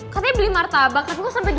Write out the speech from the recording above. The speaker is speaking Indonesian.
katanya beli martabak tapi kok sampe dua jam